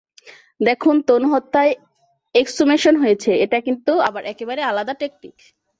দেখুন, তনু হত্যায় এক্সুমেশন হয়েছে, এটা কিন্তু আবার একেবারেই আলাদা টেকনিক।